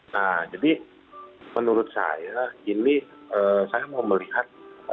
nah jadi menurut saya ini saya mau melihat